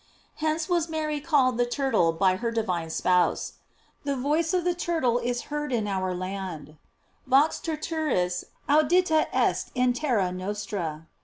Hence was Mary called the turtle by her divine spouse: The voice of the turtle is heard in our land: "Vox turturis audita est in terra nostra."